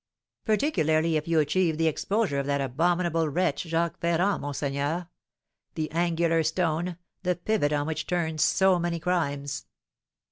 "Particularly if you achieve the exposure of that abominable wretch, Jacques Ferrand, monseigneur, the angular stone, the pivot on which turn so many crimes."